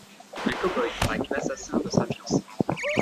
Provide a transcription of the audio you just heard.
Un cow-boy traque l'assassin de sa fiancée.